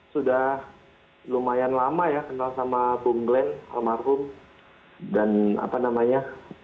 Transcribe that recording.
sudah lumayan lama ya kenal sama bung glenn almarhum dan apa namanya